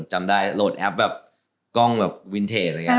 จำได้โหลดแอปแบบกล้องแบบวินเทจ